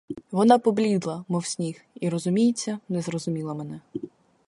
Вона поблідла, мов сніг, і, розуміється, не зрозуміла мене.